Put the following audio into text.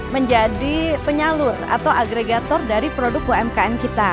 menjadi penyalur atau agregator dari produk umkm kita